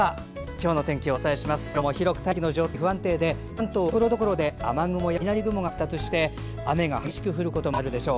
今日も広く大気の状態が不安定で関東は、ところどころで雨雲や雷雲が発達して雨が激しく降ることもあるでしょう。